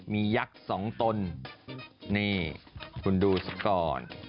มียักษ์สองตนนี่คุณดูสักก่อน